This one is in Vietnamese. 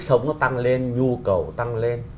sống nó tăng lên nhu cầu tăng lên